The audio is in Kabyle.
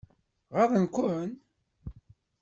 Ɣaḍen-ken?